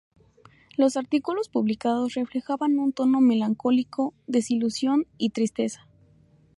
Los artículos publicados reflejaban un tono melancólico, desilusión y tristeza.